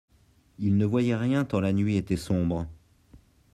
Il ne voyait rien tant la nuit était sombre.